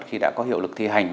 khi đã có hiệu lực thi hành